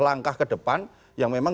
langkah ke depan yang memang